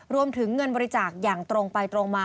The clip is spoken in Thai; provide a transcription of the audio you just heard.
รวมถึงเงินบริจาคอย่างตรงไปตรงมา